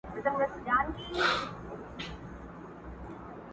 او ژوند پکي کمزوری احساس کيږي.